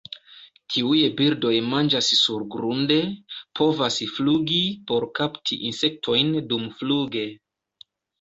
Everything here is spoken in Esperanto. Tiuj birdoj manĝas surgrunde, povas flugi por kapti insektojn dumfluge.